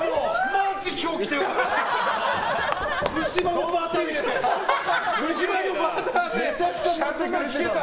マジ今日来てよかった！